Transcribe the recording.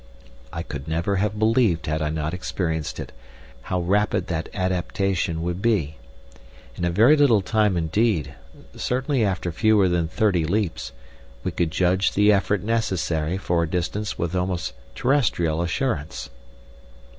I could never have believed had I not experienced it, how rapid that adaptation would be. In a very little time indeed, certainly after fewer than thirty leaps, we could judge the effort necessary for a distance with almost terrestrial assurance.